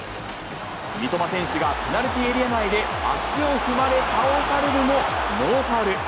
三笘選手がペナルティーエリア内で足を踏まれ、倒されるも、ノーファウル。